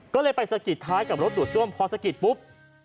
ก็เลยไปสะกิดท้ายกับรถดูดซ่วมพอสะกิดปุ๊บ